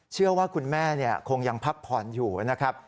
เชื่อว่าคุณแม่คงยังพักผ่อนอยู่นะครับ